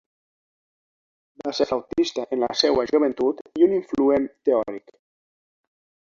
Va ser flautista en la seua joventut i un influent teòric.